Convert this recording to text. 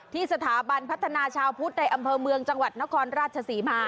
ที่สถาบันพัฒนาชาวพุทธในอำเภอเมืองจังหวัดนครราชศรีมา